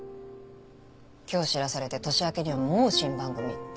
今日知らされて年明けにはもう新番組って。